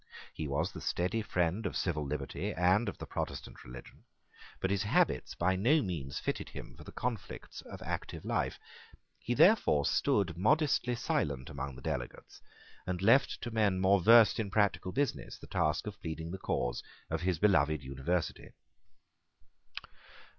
He was the steady friend of civil liberty and of the Protestant religion: but his habits by no means fitted him for the conflicts of active life. He therefore stood modestly silent among the delegates, and left to men more versed in practical business the task of pleading the cause of his beloved University.